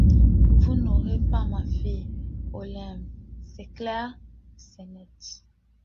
Vous n’aurez pas ma fille Olympe, c’est clair, c’est net…